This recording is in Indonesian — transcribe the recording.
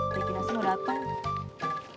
rikinasi mau dateng